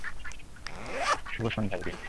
শুভ সন্ধ্যা, Irin.